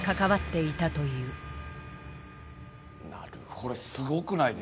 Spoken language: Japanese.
これすごくないですか？